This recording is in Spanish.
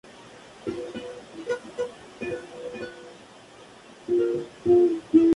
Por lo tanto, las regiones de intersección son limitadas.